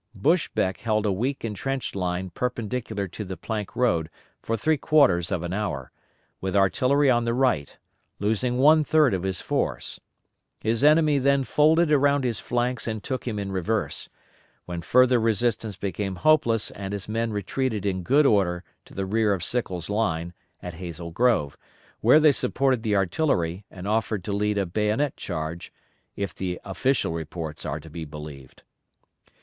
Buschbeck held a weak intrenched line perpendicular to the plank road for three quarters of an hor, with artillery on the right, losing one third of his force. His enemy then folded around his flanks and took him in reverse, when further resistance became hopeless and his men retreated in good order to the rear of Sickles' line at Hazel Grove where they supported the artillery and offered to lead a bayonet charge, if the official reports are to be believed.